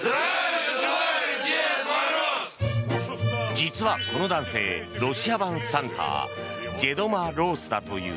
実はこの男性、ロシア版サンタジェドマロースだという。